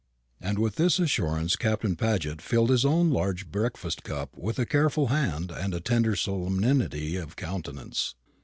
And with this assurance Captain Paget filled his own large breakfast cup with a careful hand and a tender solemnity of countenance.